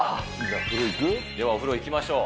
では、お風呂いきましょう。